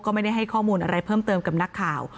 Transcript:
ก็ไม่ได้ให้ข้อมูลอะไรเพิ่มเติมกับนักข่าว